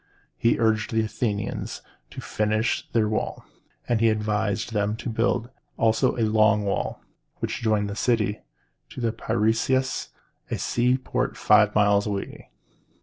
He urged the Athenians to finish their walls; and by his advice they built also the Long Walls, which joined the city to the Pi ræ´us, a seaport five miles away.